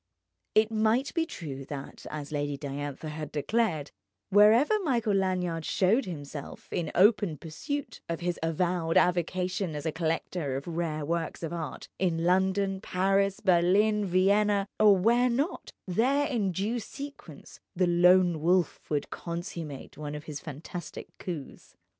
It might be true that, as Lady Diantha had declared, wherever Michael Lanyard showed himself in open pursuit of his avowed avocation as a collector of rare works of art—in London, Paris, Berlin, Vienna, or where not—there in due sequence the Lone Wolf would consummate one of his fantastic coups.